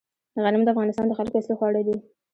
غنم د افغانستان د خلکو اصلي خواړه دي